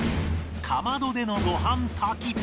かまどでのご飯炊き